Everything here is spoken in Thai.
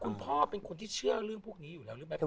คุณพ่อเป็นคนที่เชื่อเรื่องพวกนี้อยู่แล้วหรือเปล่า